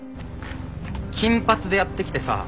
金髪でやって来てさ。